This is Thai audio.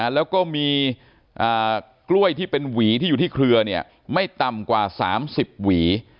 แล้วก็มีกล้วยที่เป็นหวีที่อยู่ที่เครือไม่ต่ำกว่า๓๐หวี